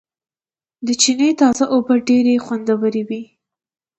د چينې تازه اوبه ډېرې خوندورېوي